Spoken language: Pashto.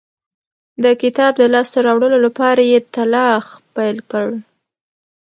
د کتاب د لاسته راوړلو لپاره یې تلاښ پیل کړ.